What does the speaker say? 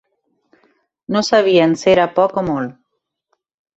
No sabien si era poc o molt